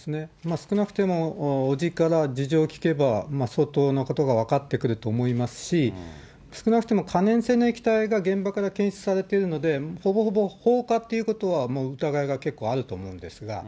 少なくても、伯父から事情を聴けば、相当のことが分かってくると思いますし、少なくとも可燃性の液体が現場から検出されているので、ほぼほぼ放火っていうことは、もう疑いが結構あると思うんですが。